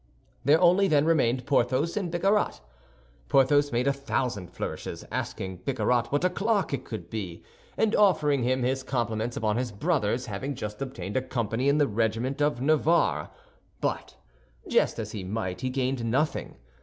There only then remained Porthos and Bicarat. Porthos made a thousand flourishes, asking Bicarat what o'clock it could be, and offering him his compliments upon his brother's having just obtained a company in the regiment of Navarre; but, jest as he might, he gained nothing.